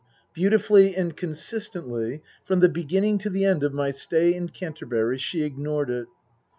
Beautifully and consistently, from the beginning to the end of my stay in Canterbury, she ignored it.